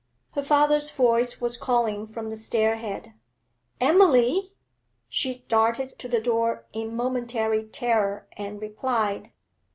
Her father's voice was calling from the stair head 'Emily!' She darted to the door in momentary terror and replied.